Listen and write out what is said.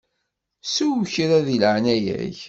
Sew kra deg leɛnaya-k!